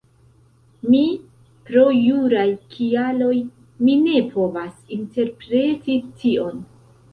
Mi, pro juraj kialoj mi ne povas interpreti tion